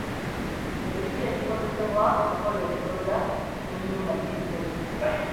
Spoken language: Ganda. Emiti egikozesebwa okukola obusolya bw'enyumba giyitibwa gitya?